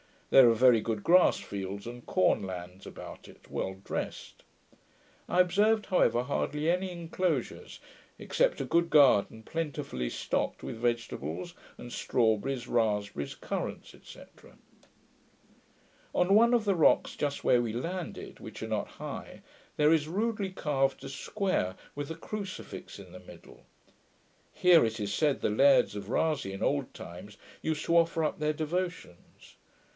There are very good grass fields and corn lands about it, well dressed. I observed, however, hardly any inclosures, except a good garden plentifully stocked with vegetables, and strawberries, raspberries, currants, &c. On one of the rocks just where we landed, which are not high, there is rudely carved a square, with a crucifix in the middle. Here, it is said, the lairds of Rasay, in old times, used to offer up their devotions.